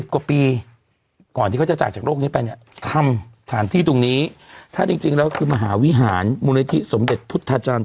กว่าปีก่อนที่เขาจะจากจากโลกนี้ไปเนี่ยทำสถานที่ตรงนี้ถ้าจริงแล้วคือมหาวิหารมูลนิธิสมเด็จพุทธาจารย์